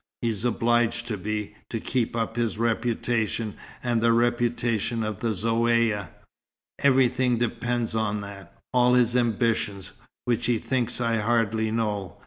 He's obliged to be, to keep up his reputation and the reputation of the Zaouïa. Everything depends on that all his ambitions, which he thinks I hardly know.